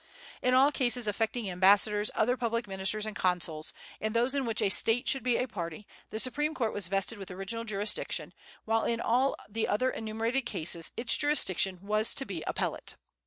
In all cases affecting ambassadors, other public ministers and consuls, and those in which a State should be a party, the Supreme Court was vested with original jurisdiction, while in all the other enumerated cases its jurisdiction was to be appellate.